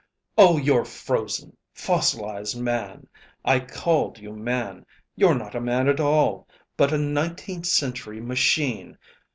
"Oh, you're frozen fossilized, man! I called you man! You're not a man at all, but a nineteenth century machine!